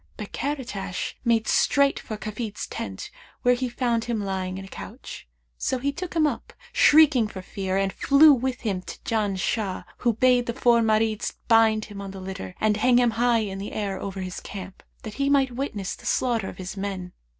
But Karatash made straight for Kafid's tent where he found him lying in a couch; so he took him up, shrieking for fear, and flew with him to Janshah, who bade the four Marids bind him on the litter and hang him high in the air over his camp, that he might witness the slaughter of his men.